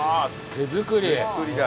手作りだ。